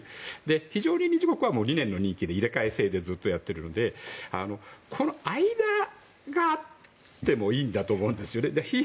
非常任理事国は２年の任期で入れ替え制でやってるのでこの間があってもいいんだと思うんですよね。